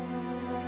maksud mawar bu